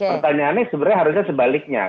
pertanyaannya sebenarnya harusnya sebaliknya